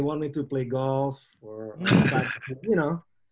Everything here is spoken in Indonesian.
mereka ingin saya mainkan golf atau